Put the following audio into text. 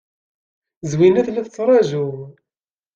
Zwina tella tettṛaju.